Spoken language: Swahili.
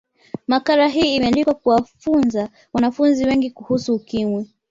makala hii imeandikwa kuwafunza watu wengi kuhusu ukimwi